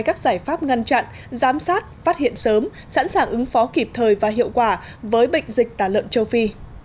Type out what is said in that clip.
các giải pháp ngăn chặn giám sát phát hiện sớm sẵn sàng ứng phó kịp thời và hiệu quả với bệnh dịch tả lợn châu phi